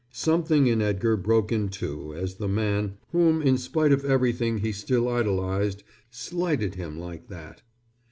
Something in Edgar broke in two as the man, whom in spite of everything he still idolized, slighted him like that.